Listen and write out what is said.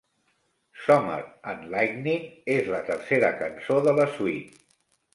Summer and Lightning és la tercera cançó de la suite.